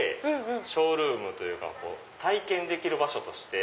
ショールームというか体験できる場所として。